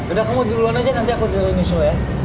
udah kamu duluan aja nanti aku turun durun ya